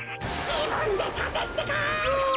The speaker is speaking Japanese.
じぶんでたてってか！